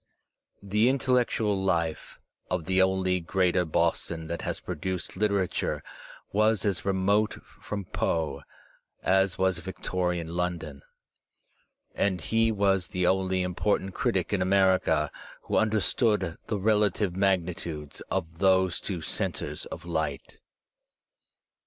The intellectual life of the only Greater Boston that has produced literature was as remote from Foe as was Victorian London, and he was the only important critic in America who understood the relative magnitudes of those two centres of light.